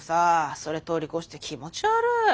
それ通り越して気持ち悪い。